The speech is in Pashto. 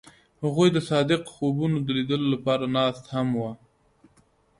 هغوی د صادق خوبونو د لیدلو لپاره ناست هم وو.